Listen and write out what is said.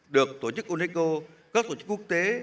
được tổ chức unesco các tổ chức quốc tế